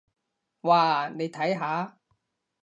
哇，你睇下！